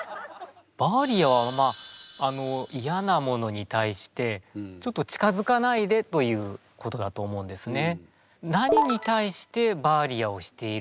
「バーリア」はまあイヤなものに対してちょっと近づかないでということだと思うんですね。